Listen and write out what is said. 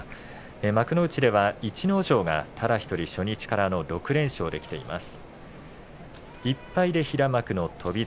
幕内では逸ノ城がただ１人初日から６連勝できています。